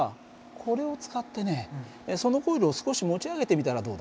これを使ってねそのコイルを少し持ち上げてみたらどうだ？